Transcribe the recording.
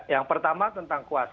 yang pertama tentang kuasa